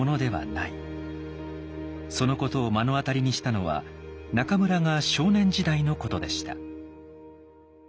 そのことを目の当たりにしたのは中村が少年時代のことでした。